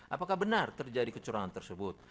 apakah benar terjadi kecurangan tersebut